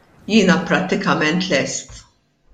Jiena prattikament lest.